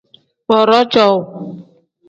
Booroo cowuu.